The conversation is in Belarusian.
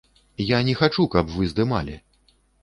Я не хачу, каб вы здымалі!